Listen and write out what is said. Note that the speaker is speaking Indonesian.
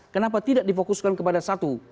kenapa tidak difokuskan kepada satu